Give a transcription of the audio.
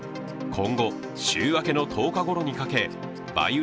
今後、週明けの１０日ごろにかけ梅雨